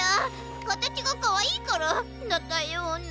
かたちがかわいいからだったような。